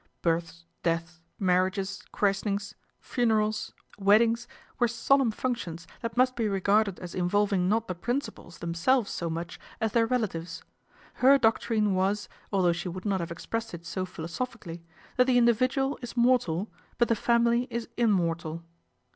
Births, deaths, marriages, christenings, funerals, weddings, were solemn functions that must be regarded as involving not the principals themselves so much as their relatives. Her doctrine was, although she would not have ex pressed it so philosophically, that the individual is mortal ; but the family is immortal.